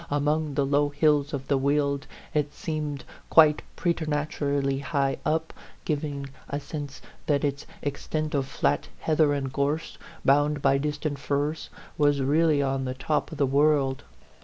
Among the low hills of the Weald, it seemed quite preternaturally high up, giving a sense that its extent of flat heather and gorse, bound by distant firs, was really on the top A PHANTOM LOVER. 79 of the world.